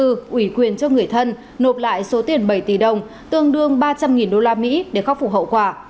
thư ủy quyền cho người thân nộp lại số tiền bảy tỷ đồng tương đương ba trăm linh usd để khắc phục hậu quả